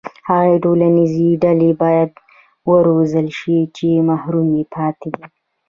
هغه ټولنیزې ډلې باید وروزل شي چې محرومې پاتې دي.